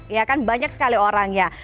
ya kan banyak sekali orangnya